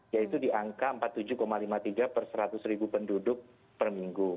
yaitu di angka empat puluh tujuh lima puluh tiga per seratus ribu penduduk per minggu